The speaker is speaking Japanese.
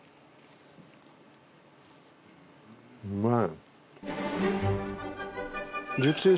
うまい。